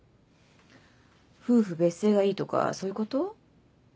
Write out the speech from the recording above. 夫婦別姓がいいとかそういうこと？